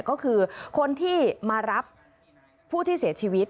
ก็คือคนที่มารับผู้ที่เสียชีวิต